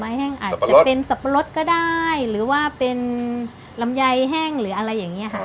แห้งอาจจะเป็นสับปะรดก็ได้หรือว่าเป็นลำไยแห้งหรืออะไรอย่างนี้ค่ะ